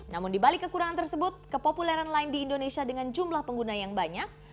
namun di balik kekurangan tersebut kepopuleran line di indonesia dengan jumlah pengguna yang banyak